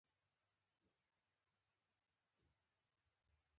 بامیان د افغانانو د ژوند طرز په مستقیم ډول ډیر اغېزمنوي.